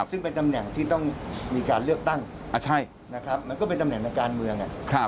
ซึ่งเป็นตำแหน่งที่ต้องมีการเลือกตั้งใช่นะครับมันก็เป็นตำแหน่งทางการเมือง